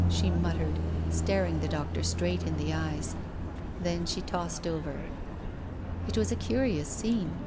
she muttered, staring the doctor straight in the eyes. Then she tossed over. It was a curious scene.